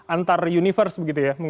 antara universe begitu ya